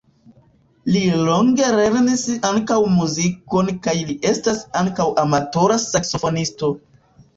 Li longe lernis ankaŭ muzikon kaj li estas ankaŭ amatora saksofonisto.